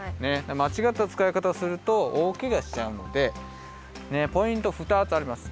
まちがったつかいかたをするとおおけがしちゃうのでポイントふたつあります。